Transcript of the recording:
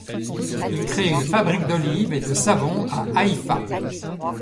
Il crée un fabrique d'olive et de savon à Haïfa.